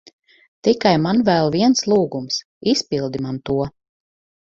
Tikai man vēl viens lūgums. Izpildi man to.